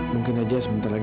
mungkin aja sebentar lagi